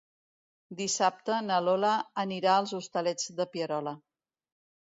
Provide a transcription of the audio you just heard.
Dissabte na Lola anirà als Hostalets de Pierola.